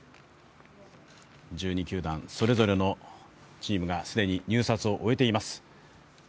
１２球団それぞれのチームが既に入札を終えています。